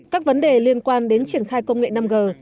các vấn đề liên quan đến triển khai công nghệ năm g